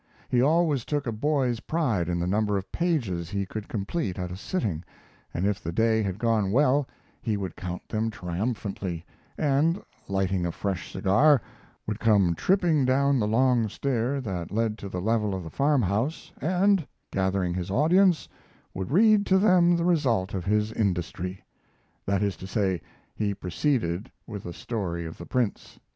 He always took a boy's pride in the number of pages he could complete at a sitting, and if the day had gone well he would count them triumphantly, and, lighting a fresh cigar, would come tripping down the long stair that led to the level of the farm house, and, gathering his audience, would read to them the result of his industry; that is to say, he proceeded with the story of the Prince.